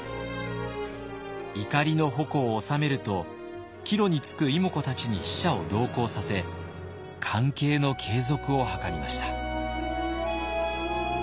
怒りの矛を収めると帰路につく妹子たちに使者を同行させ関係の継続を図りました。